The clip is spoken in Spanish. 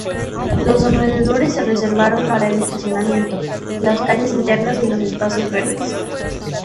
Los alrededores se reservaron para el estacionamiento, las calles internas y los espacios verdes.